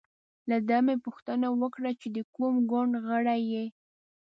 له ده مې پوښتنه وکړه چې د کوم ګوند غړی یې.